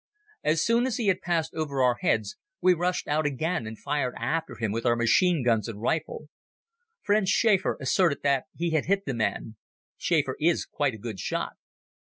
As soon as he had passed over our heads we rushed out again and fired after him with our machine guns and rifles. Friend Schäfer asserted that he had hit the man. Schäfer is quite a good shot.